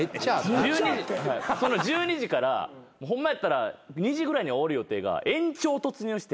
１２時からホンマやったら２時ぐらいに終わる予定が延長突入して。